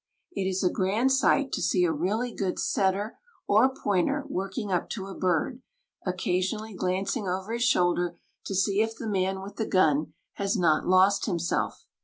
It is a grand sight to see a really good setter or pointer working up to a bird, occasionally glancing over his shoulder to see if the man with the gun has not lost himself.